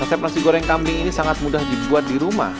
resep nasi goreng kambing ini sangat mudah dibuat di rumah